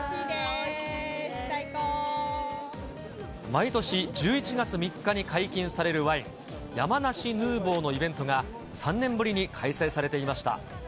毎年１１月３日に解禁されるワイン、山梨ヌーボーのイベントが、３年ぶりに開催されていました。